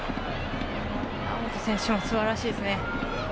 猶本選手もすばらしいですね。